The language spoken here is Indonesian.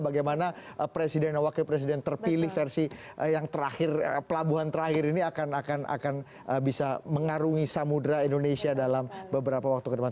bagaimana presiden dan wakil presiden terpilih versi yang terakhir pelabuhan terakhir ini akan bisa mengarungi samudera indonesia dalam beberapa waktu ke depan